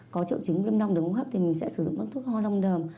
có triệu chứng viêm đông đường hốp thì mình sẽ sử dụng thuốc hóa đông đờm